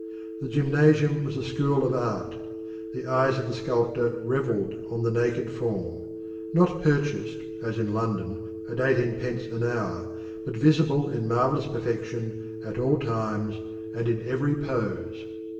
The gymnasium was a school of art. The eyes of the sculptor revelled on the naked form not purchased, as in London, at eighteenpence an hour, but visible in marvellous perfection at all times and in every pose.